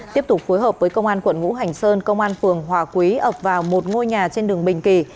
tiếp tục phối hợp với công an quận ngũ hành sơn công an phường hòa quý ập vào một ngôi nhà trên đường bình kỳ